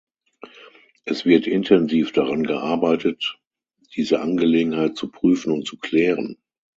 Es wird intensiv daran gearbeitet, diese Angelegenheit zu prüfen und zu klären.